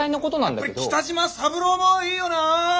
やっぱり北島三郎もいいよな！